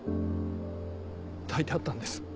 炊いてあったんです。